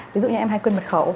ví dụ như em hay quên mật khẩu